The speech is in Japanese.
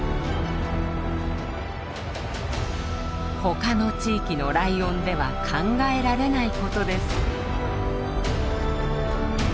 他の地域のライオンでは考えられないことです。